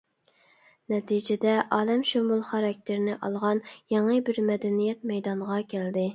نەتىجىدە ئالەمشۇمۇل خاراكتېرنى ئالغان يېڭى بىر مەدەنىيەت مەيدانغا كەلدى.